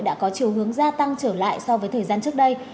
đã có chiều hướng gia tăng trở lại so với thời gian trước đây